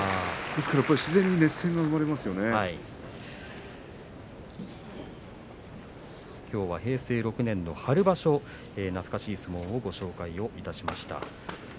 ですからきょうは平成６年の春場所懐かしい相撲をご紹介しました。